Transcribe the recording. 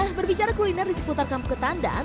nah berbicara kuliner di seputar kampung ketandang